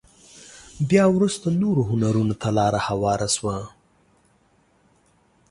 بيا وروسته نورو هنرونو ته لاره هواره شوه.